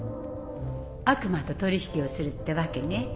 悪魔と取引をするってわけね。